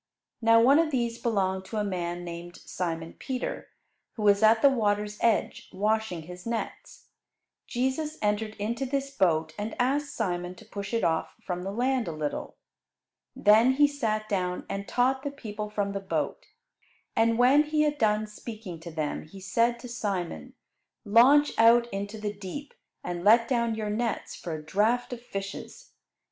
Now one of these belonged to a man named Simon Peter, who was at the water's edge washing his nets. Jesus entered into this boat and asked Simon to push it off from the land a little. Then He sat down and taught the people from the boat. And when He had done speaking to them He said to Simon, "Launch out into the deep, and let down your nets for a draught of fishes."